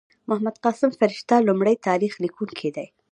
محمد قاسم فرشته لومړی تاریخ لیکونکی دﺉ.